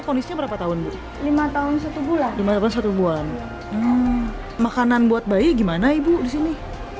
ponisnya berapa tahun lima tahun satu bulan dimana satu bulan makanan buat bayi gimana ibu disini